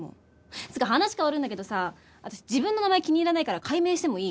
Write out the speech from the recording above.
つうか話変わるんだけどさ私自分の名前気に入らないから改名してもいい？